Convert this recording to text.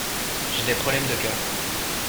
J’ai des problèmes de cœur.